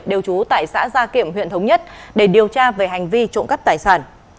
đều trú tại xã gia kiệm huyện thống nhất để điều tra về hành vi trộm cắp tài sản